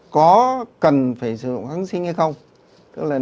có cần phải sử dụng kháng sinh hay không